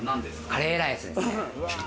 カレーライスですね。